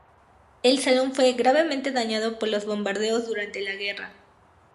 El salón fue gravemente dañado por los bombardeos durante la guerra.